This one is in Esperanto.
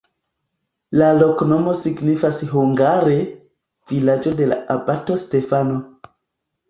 La loknomo signifas hungare: vilaĝo de abato Stefano.